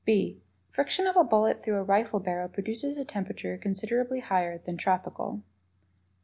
(b) Friction of a bullet through a rifle barrel produces a temperature considerably higher than "tropical."